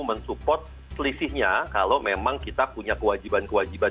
mensupport selisihnya kalau memang kita punya kewajiban kewajiban